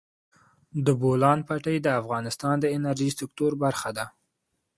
د بولان پټي د افغانستان د انرژۍ سکتور برخه ده.